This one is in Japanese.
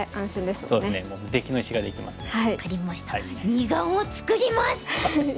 二眼を作ります！